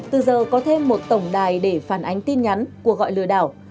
từ giờ có thêm một tổng đài để phản ánh tin nhắn của gọi lừa đảo